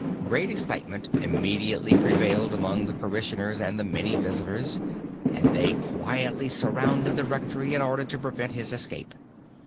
Great excitement immediately prevailed among the parishioners and the many visitors, and they quietly surrounded the rectory in order to prevent his escape.